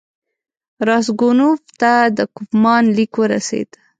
راسګونوف ته د کوفمان لیک ورسېد.